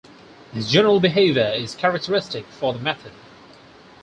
This general behaviour is characteristic for the method.